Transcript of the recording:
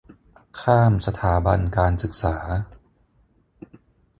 ข้ามสถาบันการศึกษา